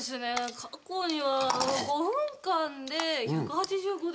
過去には５分間で１８５ですかね。